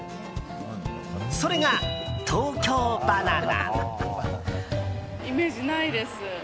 それが、東京ばな奈。